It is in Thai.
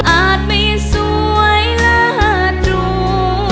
อาจมีสวยละดู